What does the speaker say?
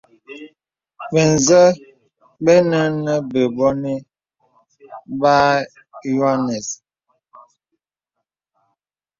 Bə̀ zə bə nə bə̀bònè bə yoanɛ̀s.